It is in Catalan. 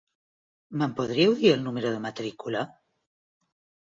Me'n podríeu dir el número de matrícula?